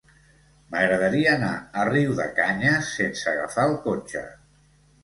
M'agradaria anar a Riudecanyes sense agafar el cotxe.